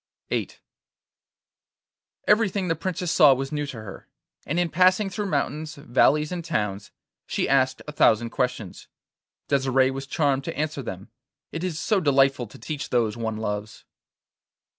VIII Everything the Princess saw was new to her, and in passing through mountains, valleys, and towns, she asked a thousand questions. Desire was charmed to answer them. It is so delightful to teach those one loves!